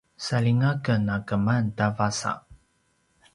saljinga ken a keman ta vasa